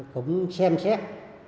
cũng xem xét